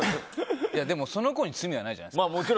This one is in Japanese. でも、その子に罪はないじゃないですか。